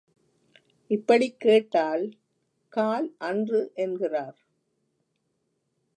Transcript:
இப்படிக் கேட்டால், கால் அன்று என்கிறார்.